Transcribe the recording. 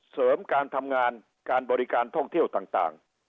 เสริมการทำงานการบริการท่องเที่ยวต่าง